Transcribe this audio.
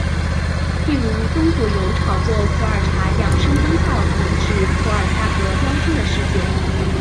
譬如中国有炒作普洱茶养生功效导致普洱价格飙升的事件。